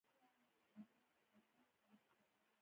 بل ټکټ به په خپل لګښت واخلم.